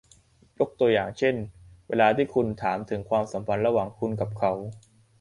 ยกตัวอย่างเช่น เวลาที่คุณถามถึงความสัมพันธ์ระหว่างคุณกับเขา